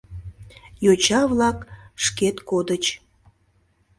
Йоча-влак шкет кодыч.